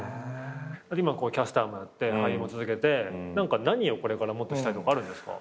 今キャスターもやって俳優も続けて何をこれからもっとしたいとかあるんですか？